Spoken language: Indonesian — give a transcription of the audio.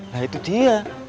nah itu dia